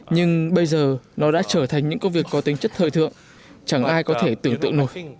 nhưng bây giờ nó đã trở thành những công việc có tính chất thời thượng chẳng ai có thể tưởng tượng nổi